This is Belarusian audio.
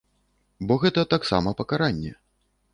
Бо гэта таксама пакаранне.